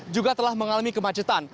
juga telah mengalami kemacetan